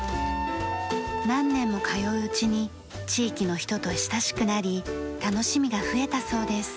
何年も通ううちに地域の人と親しくなり楽しみが増えたそうです。